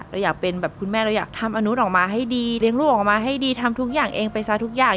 เราอยากเป็นแบบคุณแม่เราอยากทำอนุษย์ออกมาให้ดีเลี้ยงลูกออกมาให้ดีทำทุกอย่างเองไปซะทุกอย่าง